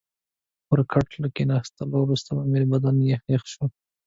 پر کټ له کښېنستو سره به مې بدن یخ یخ شو.